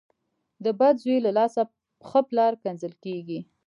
د بد زوی له لاسه ښه پلار کنځل کېږي .